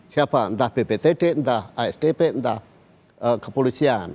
siapa entah bptd entah asdp entah kepolisian